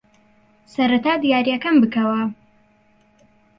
سەرەتا دیارییەکەم بکەوە.